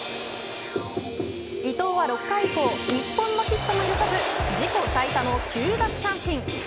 伊藤は６回以降１本のヒットも許さず自己最多の９奪三振。